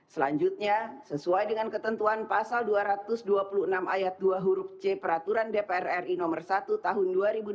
selanjutnya sesuai dengan ketentuan pasal dua ratus dua puluh enam ayat dua huruf c peraturan dpr ri no satu tahun dua ribu dua puluh